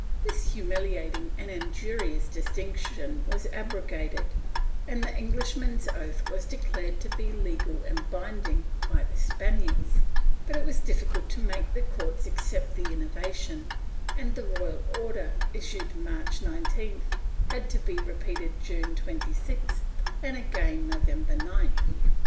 This humiliating and injurious distinction was abro gated, and the Englishman's oath was declared to be legal and binding, like the Spaniard's, but it was difficult to make the courts accept the innovation, and the royal order, issued March 19th had to be repeated June 26th and again November 9th.